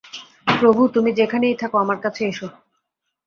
প্রভু, তুমি যেখানেই থাক, আমার কাছে এস।